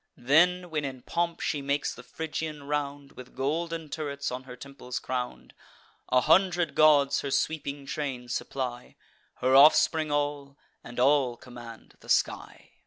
Then, when in pomp she makes the Phrygian round, With golden turrets on her temples crown'd; A hundred gods her sweeping train supply; Her offspring all, and all command the sky.